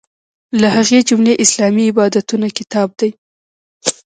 له هغې جملې اسلامي عبادتونه کتاب دی.